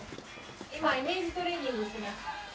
今イメージトレーニングしてました。